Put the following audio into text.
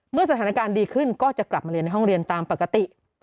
เมื่อสถานการณ์ดีขึ้นก็จะกลับมาเรียนในห้องเรียนตามปกติ